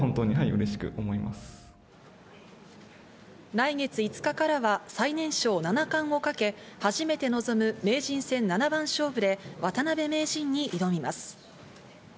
来月５日からは最年少七冠をかけ、始めて臨む名人戦七番勝負で渡辺名人に挑みます。